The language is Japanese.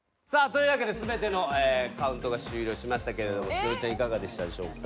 というわけで全てのカウントが終了しましたけれども栞里ちゃんいかがでしたでしょうか？